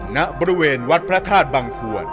ณบริเวณวัดพระธาตุบังควร